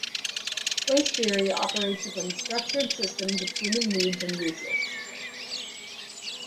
Place theory operates upon structured systems of human needs and usage.